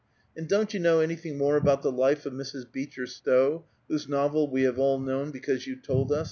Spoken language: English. "And don't you know anything more about the life of Mrs. Beecher Stowe, whose novel we have all known because you told us